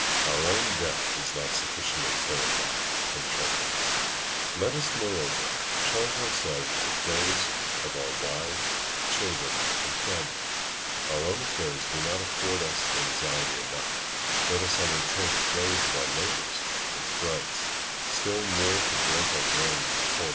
Our own death does not sufficiently terrify and trouble us; let us, moreover, charge ourselves with those of our wives, children, and family: our own affairs do not afford us anxiety enough; let us undertake those of our neighbours and friends, still more to break our brains and torment us: "Vah!